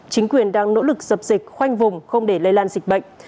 chính quyền đang nỗ lực dập dịch khoanh vùng không để lây lan dịch bệnh